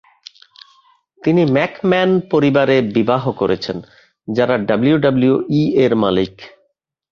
তিনি ম্যাকম্যান পরিবার এ বিবাহ করেছেন, যারা ডাব্লিউডাব্লিউই এর মালিক।